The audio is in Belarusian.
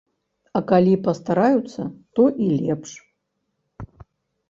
А калі пастараюцца, то і лепш!